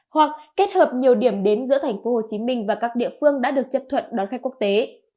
hoặc kết hợp nhiều điểm đến giữa tp hcm và các địa phương đã được chấp thuận đón khách quốc tế